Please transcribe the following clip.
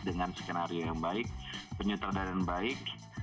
dengan skenario yang baik penyutradaran baik